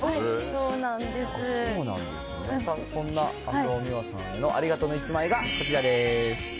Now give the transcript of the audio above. そんな浅尾美和さんへのありがとうの１枚がこちらです。